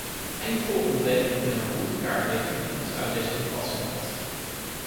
Eind volgende week moet er een routekaart liggen die ons uit deze impasse helpt.